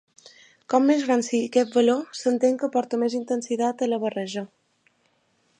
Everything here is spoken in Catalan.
Com més gran sigui aquest valor s'entén que aporta més intensitat a la barreja.